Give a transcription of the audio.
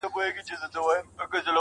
نارینه خو دهری یوی سره مینه کوي